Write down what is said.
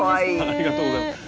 ありがとうございます。